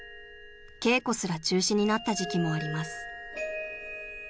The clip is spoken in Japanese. ［稽古すら中止になった時期もあります］